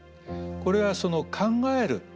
これはその考える。